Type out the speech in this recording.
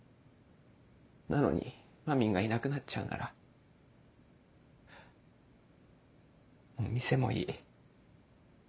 なのにまみんがいなくなっちゃうならもう店もいい。